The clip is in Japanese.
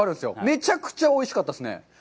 めちゃくちゃおいしかったですね。